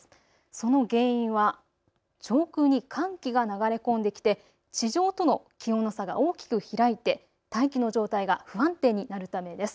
その原因は上空に寒気が流れ込んできて地上との気温の差が大きく開いて大気の状態が不安定になるためです。